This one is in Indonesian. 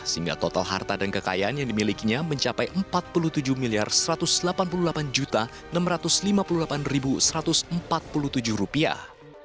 sehingga total harta dan kekayaan yang dimilikinya mencapai empat puluh tujuh miliar satu ratus delapan puluh delapan enam ratus lima puluh delapan satu ratus empat puluh tujuh rupiah